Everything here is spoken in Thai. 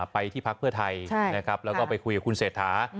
ไปที่พักเพื่อไทยนะครับแล้วก็ไปคุยกับคุณเศรษฐา